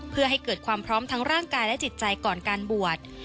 เพื่อให้เกิดความพร้อมทั้งร่างกายและจิตใจก่อนการบวช